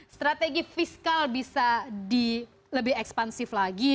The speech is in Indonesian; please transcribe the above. strategi fiskal bisa lebih ekspansif lagi